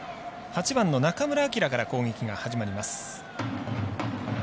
８番の中村晃から攻撃が始まります。